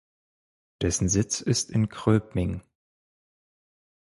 Dessen Sitz ist in Gröbming.